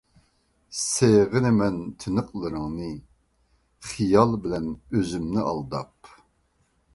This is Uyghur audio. سېغىنىمەن تىنىقلىرىڭنى، خىيال بىلەن ئۆزۈمنى ئالداپ.